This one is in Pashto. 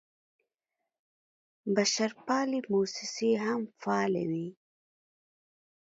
بشرپالې موسسې هم فعالې وې.